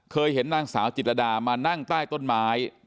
เห็นนางสาวจิตรดามานั่งใต้ต้นไม้